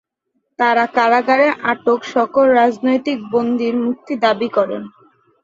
তাঁরা কারাগারে আটক সকল রাজনৈতিক বন্দির মুক্তি দাবি করেন।